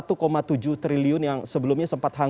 apakah kita bisa hanyutkan semua rentan